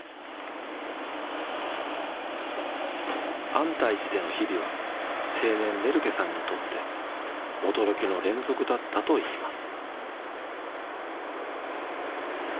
安泰寺での日々は青年ネルケさんにとって驚きの連続だったといいます。